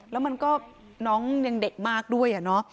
แล้วน้องยังเด็กมากด้วย